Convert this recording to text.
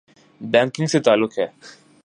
Banking سے تعلق ہے۔